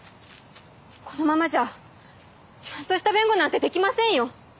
このままじゃちゃんとした弁護なんてできませんよ。